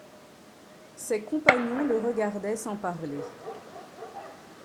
Ses compagnons le regardaient sans parler.